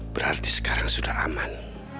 berarti sekarang sudah aman